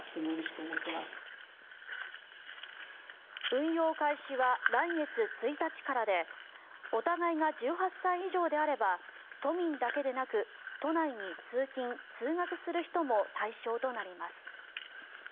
運用開始は来月１日からでお互いが１８歳以上であれば都民だけでなく都内に通勤・通学する人も対象となります。